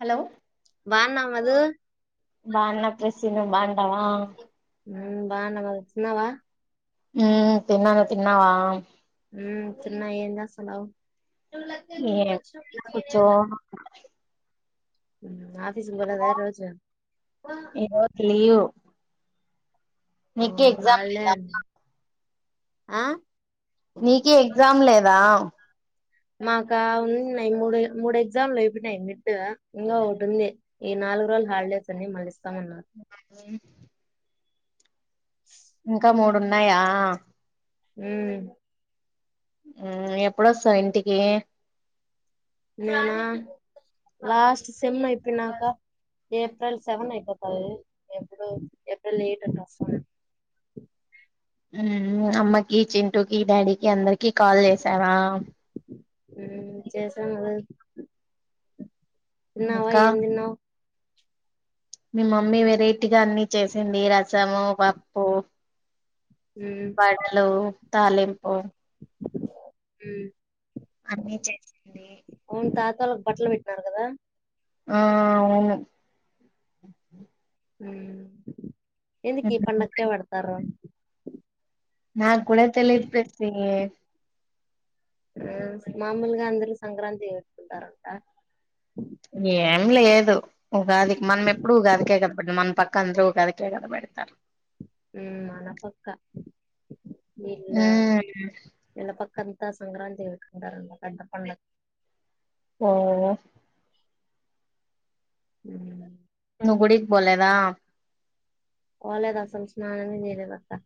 hello బాగున్నావా మధు బాగున్న ప్రెస్సను బాండవా బానమ్మా తిన్నావా ఉ తిన్నాను తిన్నావా తిన్న ఏం జేస్తునావ్ ఏ చు ఆఫీస్ పోలేద ఈ రోజు నీకు ఎగ్జామ్ లేదా ఆ నీకే ఎగ్జామ్ లేదా మాకా ఉందిన్నాయి మూడు మూడు ఎగ్జామ్లు అయిపోయినాయి మిడ్ ఇంకా ఒకటింది ఈనా నాలుగు రోజులు హాలిడేస్ ఉన్నాయి మళ్లీ [inaudible] ఇంకా మూడు ఉన్నాయా ఉమ్ ఎప్పుడొస్తావు ఇంటికి నేనా లాస్ట్ సేమ్ అయిపోయినాక ఏప్రిల్ సెవెన్ అయిపోతాది ఎప్పుడు ఏప్రిల్ ఎయిట్ అట్టా అస్తా హ్మ్ అమ్మకి చింటూకి డాడీకి అందరికి కీ కాల్ చేసావా హ్ హ్ తిన్నావా ఏం తిన్నావ్ మీ మమ్మీ వెరైటీగా అన్ని చేసింది రసము పప్పు పండ్లు తాలింపు హు అన్నీ చేసింది తాతోళ్ళకు బట్టలు పెట్టినారు కదా ఆ అవును ఎందుకీ పండక్కే పేడతారు నాక్ కూడా తెలిదు ప్రెస్సీ హ్మ్ మామూలుగా అందరు సంక్రాంతి పెట్టుకుంటారంట ఏం లేదు ఉగాది మనం ఎప్పుడు ఉగాదికే కదా పెట్ మన పక్క అందరు ఉగాది కేగద పెడతారు ఉమ్ మన పక్కా ఇంద ఇలా పక్క అంతా సంక్రాంతి పేట్టుకుంటారాంట పెద్ద పండగ్ ఉహ్ హ నువ్ గుడిక్బోలెద పోలేదు అసలు స్నానమే చేయలేదు అక్క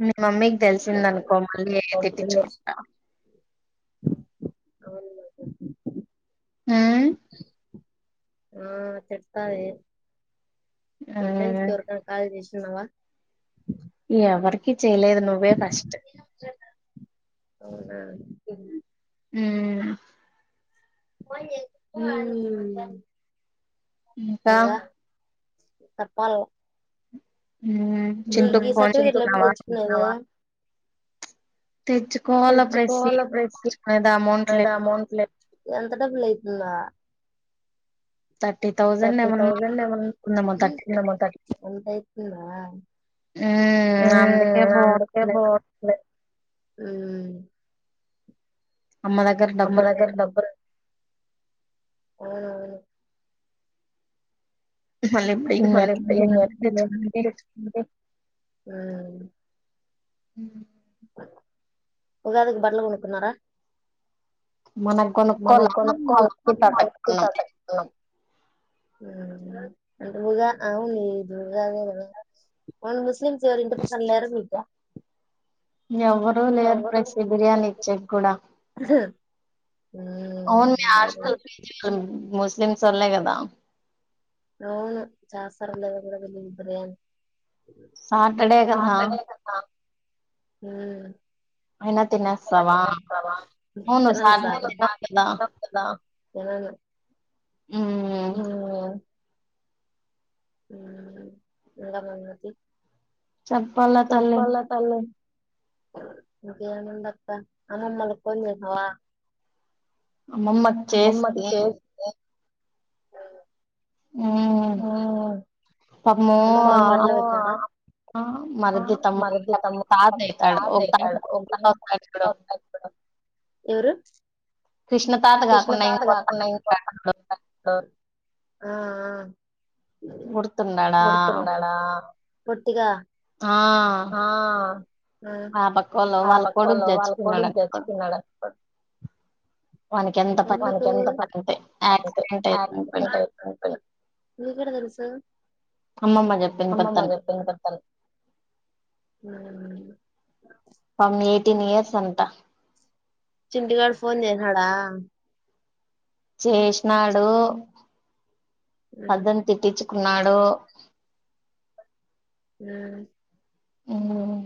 మీ మమ్మీకి తెలిసిందనుకో మళ్ళీ తిట్టిచుకుంటావ్ హ్ ఆ తిడతాది మీ ఫ్రెండ్స్ కి ఎవరికైనా కాల్ చేస్తున్నావా ఎవరికిీ చేయలేదు నువ్వే ఫస్ట్ అవునా హ్మ్ హ్మ్ ఇంకా చెప్పాలి నువ్ గీ గీసాచి [unintelligible] తెచ్చుకున్నావా తెచ్చుకోవాల ప్రెస్సీ నా దా అమౌంట్ లే ఎంత డబ్బులు అయితుందా థర్టీ థౌసండ్ ఏమో అంతా అయితుందా ఉహ్ అందకే పోట్లే అమ్మ దగ్గర డబ్బులు లేవా అవునవును [unintelligible] హ్మ్ ఉహ్ ఉగాదికి బట్టలు కొనుకున్నారా మనం కొనుక్కోలా [unintelligible] తున్నాం అంటే ఉగా అవును ఉగాదే గా మన ముస్లిమ్స్ ఎవరు ఇంటి ముందల లేరా [unintelligible] ఎవ్వరు లేరు ప్రెస్సీ బిర్యానీ ఇచ్చేక్కూడా అవును మ హాస్టల్ పి జి ఒళ్ళు ముస్లిమ్స్ ఓళ్లే కదా అవును చేస్తారో లేదో కూడా తెలియదు బిర్యానీ సాటర్డే కదా హ్మ్ తినేస్తావ తినన్ సాలు కదా తినను మూయ ఇంగ మోన్నతి చెప్పలే తల్లి ఇంక ఏముందక్క అమ్మమ్మో లకు పోన్ చేసినవా అమ్మమ్మకు చేస్తే ఆ అమ్మమ్మకు మరిది తమ్ము తాతనైతాడు ఎవరు కూసున్న తాత కాకుండా ఇంకో తాతకు గుర్తున్నాడా పొట్టిగా ఆ ఆ పక్కోలో వాళ్ళ కొడుకు చచ్చిపోయినాడ మనకెంత ప అంతే ఆక్సిడెంట్ అయితుంటై మీకేడ తెలుసు అమ్మమ్మ చెప్పింది క తను ఎయిటీన్ ఇయర్స్ అంటా చింటు గాడ్ ఫోన్ చేసినాడా చేసినడు అద్దం తిట్టిచ్చు కున్నాడు ఉ ఉమ్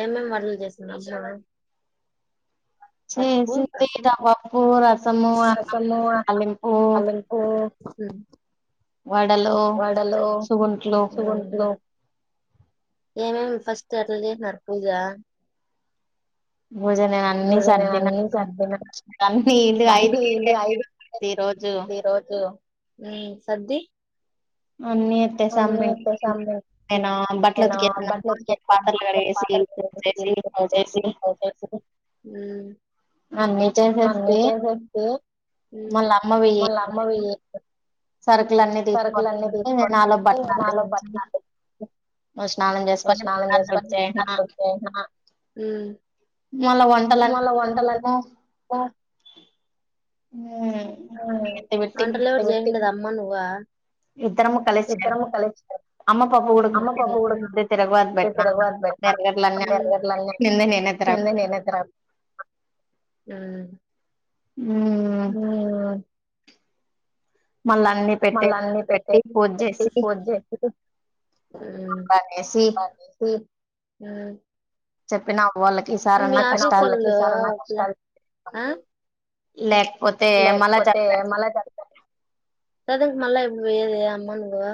ఏమేం వంటలు చేసున్నము పప్పు రసం రసము అలింపు హుమ్ వడలు చిగుడ్లు ఏమేమి ఫస్ట్ ఎట్ల చేసినారు పూజా భోజనే అన్ని సర్దినా డంకుల్ ది ఐపెంద ఈ రోజు ఉ సద్ది అన్ని ఎత్తేసం బట్టలు ఉతికేసిన పాత్రలు కడిగేసి ఊడ్చేసి తోచేసి ఉ నితోని చెప్పి మళ్ళ అమ్మవి సరుకుల్ అన్ని తీసుకోచ్చుకుంటే నేను ఆళ్ళకు బట్టలు అరేసి వచ్చి స్నానం చేస్తానే క్లాత్ తుడిచేయండి మళ్ళ వంటలన్ వో వంటలు చేతి కదా అమ్మ నువ్వా ఇద్దరము కలిసి చే అమ్మ పా ఉడకబెట్టేసి తీర్గవతబెట్టి నాన ఎర్రగడ్డలన్నీ నేనే తిరగ నేనే తిరాబ్ ఉ నేనువోను మళ్ళ అన్ని పెట్టే పెట్టి ఫోర్ చే ఉమ్ ఆరేసి ఉ చెప్పినా వాళ్ళకి ఈ సారన్నా కష్టాలు లేక్ లేక్పోతే మల చప్ద్ తాతకు మళ్ళ ఎప్పుడు బొయ్యేది అమ్మ నువ్వు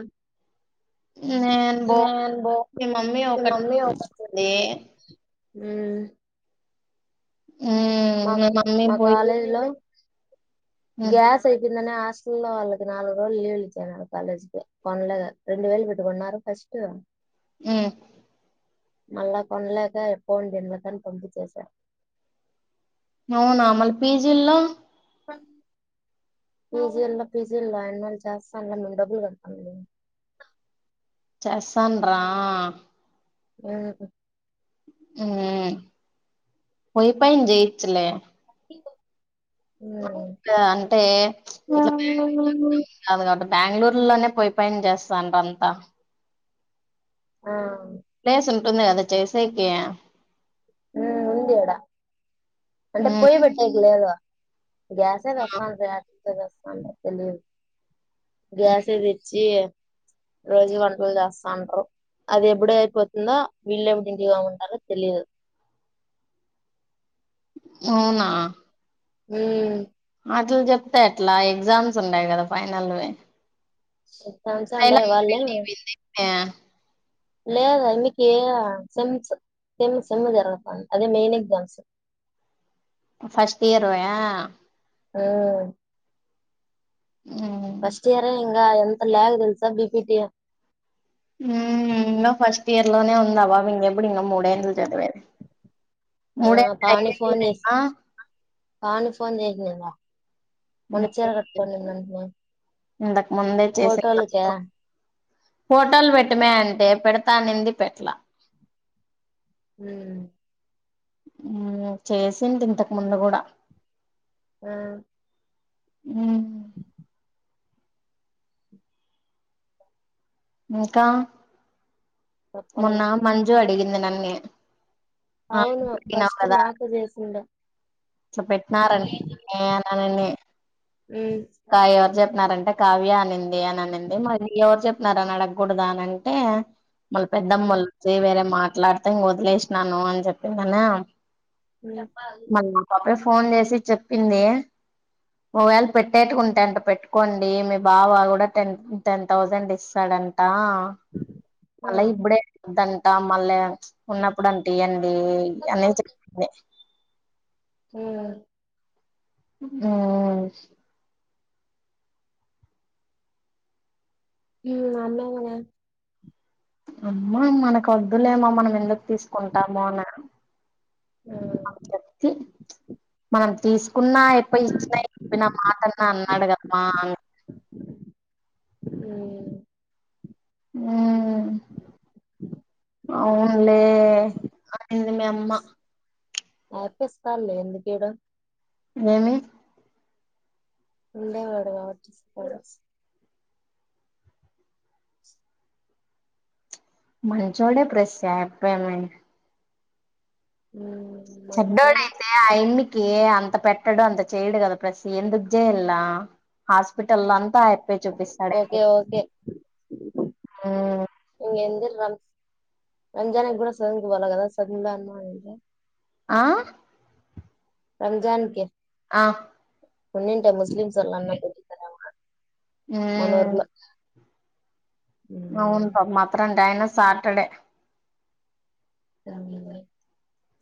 నే బో మమ్మీ ఒకతె ఉమ్ మా కాలేజీ లో గ్యాస్ అయిపోయి ఇండ్లనే హాస్టల్లో వాళ్ళకి నాలుగు రోజులు లీవ్లు ఇచ్చినారు కాలేజ్ కి కొనలేదు రెండు వేలు పెట్టీ కొన్నారు ఫస్ట్ ట [inaudible] ఊమ్ మళ్ళా కొనలేక ఎప్పడిన్లకని పంపి చేేశా అవునా మలీ పీజీల్లో ఆ [unintelligible] పీజిల్లో పీజిల్లో ఏం ఆయన చేస్తా అన్న డబ్బులు కట్టుకోవాలి చేస్తాండ్రా ఉహం ఊమ్ పోయ్ పయ్న్ జయిచ్చలే ఇగొ అంటే ఇట్లా బెూరులో కాదు కాబట్టి [unintelligible] బెంగళూరులోనే పోయ్ పోయ్న్ జేస్తాండ్రంతా ఆ ప్లేస్ ఉంటుంది కదా చేసేకి హ్మ్ ఉంది ఇడ అంటే పొయిబెట్టేకి లేదు గ్యాసె దెచ్చి [inaudible] రోజు వంటలు చేస్తాండ్రు అది ఎప్పుడ అయిపోతుందో వీళ్ళ ఎప్పుడు ఇంటికి ఉంటారో తెలియదు అవునా ఊమ్ ఎట్ల చేప్తే ఆట్లా ఎగ్జామ్స్ ఉన్నాయి కదా ఫైనల్వి ఎగ్జామ్స్ ఉండయి వాళ్ళే లేదా మీకు ఏ సెమ్స్ సెమ్ సెమ్ము జరగతాంది అదే మెయిన్ ఎక్జామ్స్ ఫస్ట్ ఇయర్వా ఆ ఫస్ట్ ఇయర్ ఎంత ల్యాగ్ తెలుసా పిపిటి ఇంట్లోనే ఉన్నావా ఇంకాప్పుడు ఇంకా మూడేండ్లు చదివేది ఆ పావని ఫోన్ చేసిందా పావని ఫోన్ చేసిందిగా మొన్న చీర కట్టుకొన్నదింటనే ఫోటోలు ఒచ్చయ ఫోటోలు పెట్టుమే అంటే పెడతా అనింది పెట్టాల హ్మ్ హ్మ్ చేసింది ఇంతకముందు కూడా హ్మ్ హ్మ్ [unintelligible] ఇంకా మొన్న మంజు అడిగింది నన్నే అవును ఫస్ట్ నాకు చేసింది చ పెట్టినారంటే ననన్ని ఎవరు చెప్పినారంటే కావ్య అనింది అని అనింది మరి ఇవి ఎవరు చెప్ మరి నన్ను అడగకూడదా అంటే వాళ్ళ పెద్దమ్మల వేరే మాట్లాడితే ఇంగ వదిలేషినాను అని చెప్పిందనే హ్మ్ ఫోన్ చేసి చెప్పింది మొబైల్ పెట్టేటుకుంటే అంటే పెట్టుకోండి మీ బావ కూడా టెన్ టెన్ తౌసండ్ ఇస్తాడంట మళ్ళా ఇప్పుడేద్దంట మళ్ళ ఉన్నప్పుడుంట ఇయ్య హ్మ్ అని చెప్పింది హ్మ్ ఆ ఉ అమ్మాగానే అమ్మా మనకు వద్దులేమ మనం ఎందుకు తీసుకుంటామో అని అశక్తి మనం తీసుకున్నా ఎప్పు ఇచ్చినాయి చెప్పనా మాట అన్నా అన్నాడు కదమ్మా అని అ ఉ [inaudible] అవునులే అనింది మీ అమ్మా ఆపస్తాన్ లె ఎందుకు ఇడ ఏమి ఉండే వాడు కాబట్టి మంచోడే ప్రశ్ శాపవిన్ ఉ చెడ్డోఎందే అయిన్నీ ఎ అంత పెట్టాడు అంత చెయడు గదా ప్రసి ఎందుకు జేయాలా హాస్పిటల్ అంత ఎప్పు ఆ బాయ్ చూపిస్తాడు మ్ రమ్ రంజాన్ గూడా సర్ కి వీళ్ళు కాదు కదా సన్డే అయినా ఆ రంజాన్ కి ఆ ఉన్నింటయి ముస్లింస్లన్న అందరూ పెటి మనఊర్లో అవునుంటా మాత్రం అయినా సాటర్డే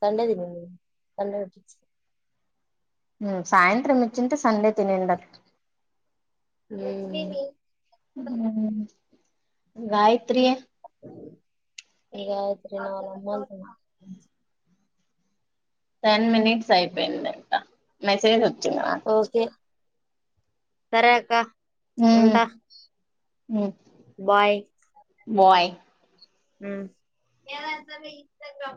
సండేది సండే మ్ సాయంత్రం ఇచ్చింటే సండే తినం ఎ ఉ గాయత్రి ఇగా గాయత్రి వాళ్ళ అమ్మోలు టెన్ మిన్ట్స్ అయిపోయిందంట మెసేజ్ ఓకే సరే అక్క ఉంటా బాయ్ బాయ్ మ్